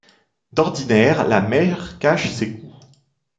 D’ordinaire la mer cache ses coups.